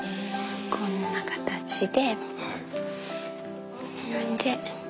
こんな形で。